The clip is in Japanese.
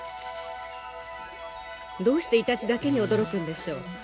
どうしてイタチだけに驚くんでしょう？